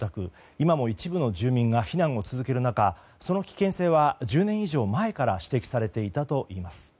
今も一部の住民が避難を続ける中その危険性は１０年以上前から指摘されていたといいます。